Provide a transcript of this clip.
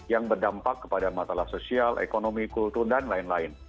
yang berdampak kepada masalah sosial ekonomi kultur dan lain lain